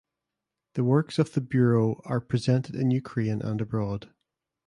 The works of the bureau are presented in Ukraine and abroad.